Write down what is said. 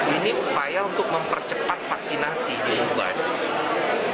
ini upaya untuk mempercepat vaksinasi di lingkungan